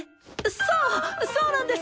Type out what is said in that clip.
そうそうなんです！